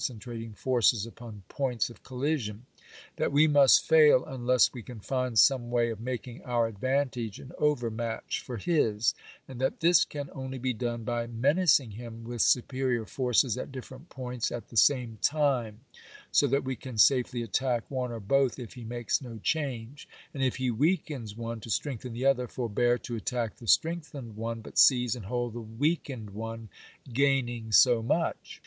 eentrating forces npon points of collision ; that we must fail unless we can find some way of making our advantage an overmatch for his ; and that this can only be done by menacing him with superior forces at different points at the same time, so that we can safely attack one or both if he makes no change ; and if he weakens one to strengthen the other, forbear to attack the strengthened one, but seize and hold the weakened one, gaining so much.